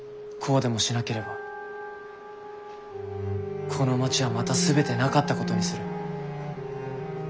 こうでもしなければこの町はまた全てなかったことにする。